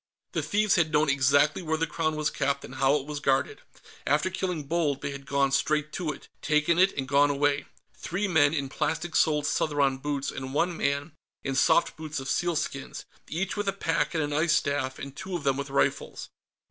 The thieves had known exactly where the Crown was kept and how it was guarded; after killing Bold, they had gone straight to it, taken it and gone away three men in plastic soled Southron boots and one man in soft boots of sealskins, each with a pack and an ice staff, and two of them with rifles.